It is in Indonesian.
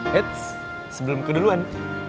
hei sebelum keduluan